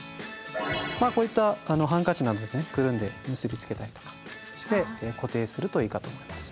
まあこういったハンカチなどでくるんで結び付けたりとかして固定するといいかと思います。